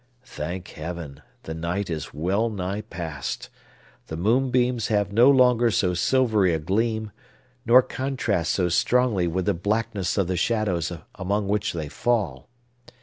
Thank Heaven, the night is well nigh past! The moonbeams have no longer so silvery a gleam, nor contrast so strongly with the blackness of the shadows among which they fall.